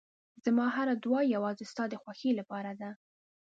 زما هره دعا یوازې ستا د خوښۍ لپاره ده.